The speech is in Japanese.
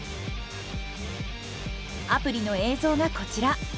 アプリの映像がこちら。